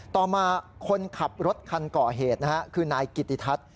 ต่อมาคนขับรถคันก่อเหตุนะฮะคือนายกิติทัศน์